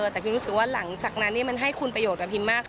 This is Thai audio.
แต่พิมรู้สึกว่าหลังจากนั้นมันให้คุณประโยชน์กับพิมมาก